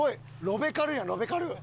ロベカルやんロベカル。